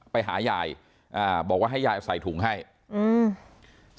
ไปหายายอ่าบอกว่าให้ยายใส่ถุงให้อืม